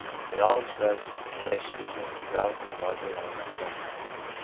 They all express relation between the self and the larger life outside.